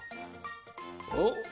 おっ？